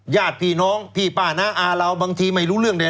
ญาติพี่น้องพี่ป้าน้าอาเราบางทีไม่รู้เรื่องเนี่ย